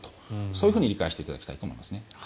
そう理解していただきたいと思います。